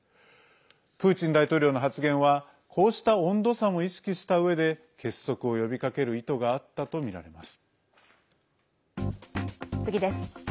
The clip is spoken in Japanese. プーチン大統領の発言はこうした温度差も意識したうえで結束を呼びかける意図があったとみられます。